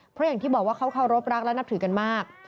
เพราะอย่างที่บอกว่าเขาเคารพรักและนับถือกันมาก